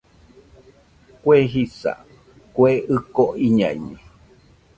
Kue jisa, Kue ɨko iñaiño